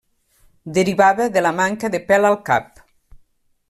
Derivava de la manca de pèl al cap.